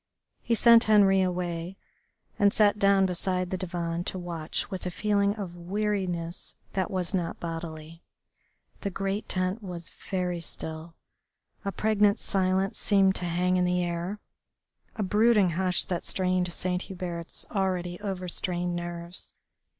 He sent Henri away and sat down beside the divan to watch with a feeling of weariness that was not bodily. The great tent was very still, a pregnant silence seemed to hang in the air, a brooding hush that strained Saint Hubert's already overstrained nerves.